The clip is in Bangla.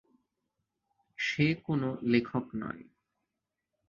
সে কোন লেখক নয়।